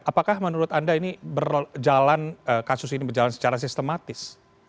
apakah menurut anda ini berjalan kasus ini berjalan secara sistematis